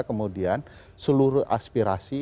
kemudian seluruh aspirasi